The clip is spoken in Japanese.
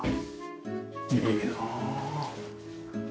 いいなあ。